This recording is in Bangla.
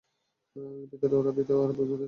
ভেতরে ওরা ভীত আর বিভ্রান্ত ছিল!